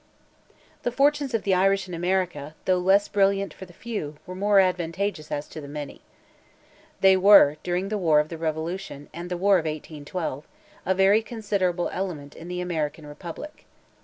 The fortunes of the Irish in America, though less brilliant for the few, were more advantageous as to the many. They were, during the war of the revolution, and the war of 1812, a very considerable element in the American republic.